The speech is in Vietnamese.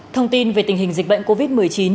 thông tin về tình hình dịch bệnh covid một mươi chín